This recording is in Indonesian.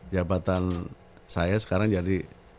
jabatan saya sekarang jadi